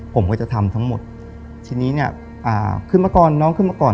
ผมก็จะทำทั้งหมดทีนี้เนี่ยอ่าขึ้นมาก่อนน้องขึ้นมาก่อน